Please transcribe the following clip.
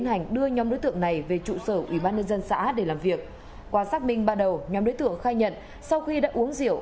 nhóm đối tượng khai nhận sau khi đã uống rượu